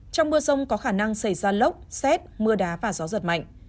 trong mưa rông có khả năng xảy ra lốc xét mưa đá và gió giật mạnh